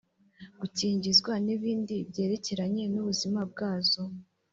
gukingizwa n’ibindi byerekeranye n’ubuzima bwazo